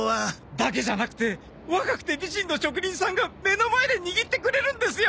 だけじゃなくて若くて美人の職人さんが目の前で握ってくれるんですよ！